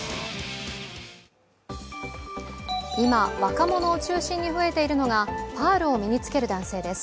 今、若者を中心に増えているのがパールを身に着ける男性です。